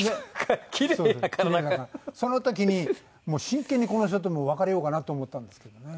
だからその時にもう真剣にこの人と別れようかなと思ったんですけどね。